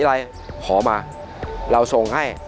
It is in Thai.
อะไรขอมาเราส่งให้